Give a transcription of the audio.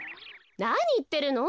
なにいってるの？